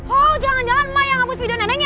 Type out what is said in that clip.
oh jangan jangan emak yang hapus video neneknya